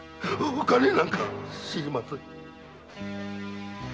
お金なんか知りません！